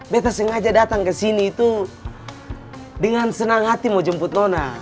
beta sengaja dateng kesini tuh dengan senang hati mau jemput nona